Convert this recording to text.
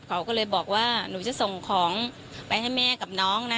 เขาก็เลยบอกว่าหนูจะส่งของไปให้แม่กับน้องนะ